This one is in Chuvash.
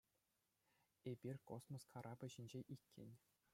Эпир космос карапӗ ҫинче иккен.